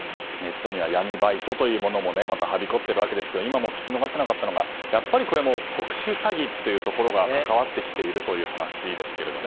ネットには闇バイトもはびこっていますが今も聞き逃せなかったのがやっぱり、これも特殊詐欺というところが関わってきているという話ですね。